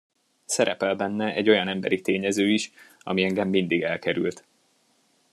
Szerepel benne egy olyan emberi tényező is, ami engem mindig elkerült.